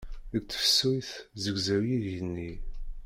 Deg tefsut zegzaw yigenni.